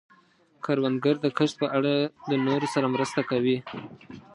کروندګر د کښت په اړه د نورو سره مرسته کوي